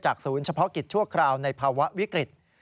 ศูนย์เฉพาะกิจชั่วคราวในภาวะวิกฤต